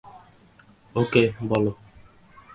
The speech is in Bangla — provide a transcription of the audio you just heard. ওকে, বলো।